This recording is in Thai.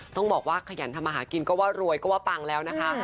ต้องบอกว่าขยันทำมาหากินก็ว่ารวยก็ว่าปังแล้วนะคะ